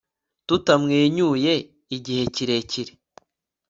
Tutamwenyuye igihe kirekire